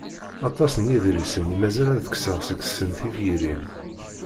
Aṭas n yiḍrisen i mazal ad d-kkseɣ seg-sen tifyirin.